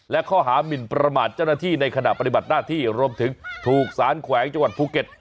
และข้อหามินประมาทเจ้าหน้าที่ในขณะปฏิบัติหน้าที่รวมถึงถูกสารแขวงจังหวัดภูเก็ต